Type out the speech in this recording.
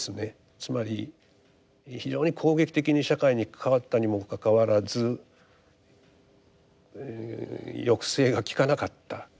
つまり非常に攻撃的に社会に関わったにもかかわらず抑制がきかなかった。